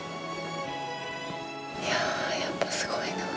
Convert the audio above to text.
いやあやっぱすごいなあ。